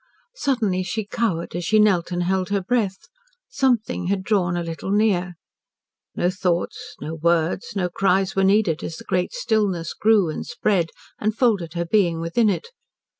Suddenly she cowered as she knelt and held her breath. Something had drawn a little near. No thoughts no words no cries were needed as the great stillness grew and spread, and folded her being within it.